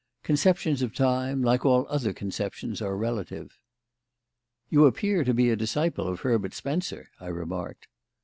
Conceptions of time, like all other conceptions, are relative." "You appear to be a disciple of Herbert Spencer," I remarked.